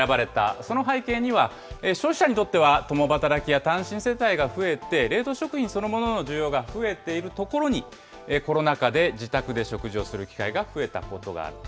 こうしたこの４つの中で、冷凍グルメが選ばれた、その背景には、消費者にとっては共働きや単身世帯が増えて、冷凍食品そのものの需要が増えているところに、コロナ禍で自宅で食事をする機会が増えたことがあると。